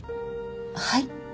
はい？